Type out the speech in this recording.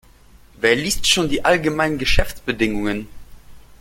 Wer liest schon die allgemeinen Geschäftsbedingungen?